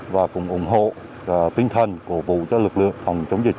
và cũng ủng hộ tinh thần của vụ cho lực lượng phòng chống dịch